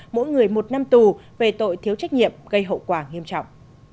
mỗi người một năm tù về tội thiếu trách nhiệm gây hậu quả nghiêm trọng